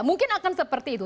mungkin akan seperti itu